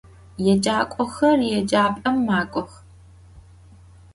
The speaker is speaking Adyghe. Yêcak'oxer yêcap'em mak'ox.